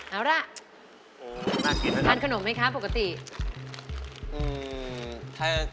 เอาล่ะทานขนมไหมคะปกติน่ากินด้วยค่ะ